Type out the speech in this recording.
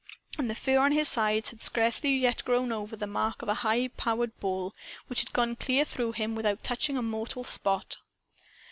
And the fur on his sides had scarcely yet grown over the mark of the high powered ball which had gone clear through him without touching a mortal spot.